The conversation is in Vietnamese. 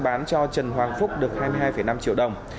bán cho trần hoàng phúc được hai mươi hai năm triệu đồng